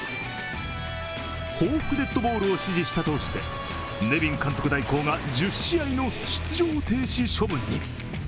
報復デッドボールを指示したとしてネビン監督代行が１０試合の出場停止処分に。